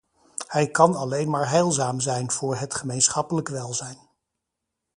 Hij kan alleen maar heilzaam zijn voor het gemeenschappelijk welzijn.